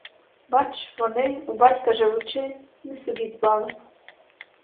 Бач, вони, у батька живучи, не собі дбали!